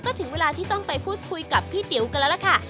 ก็ถึงเวลาที่ต้องไปพูดคุยกับพี่ติ๋วกันแล้วล่ะค่ะ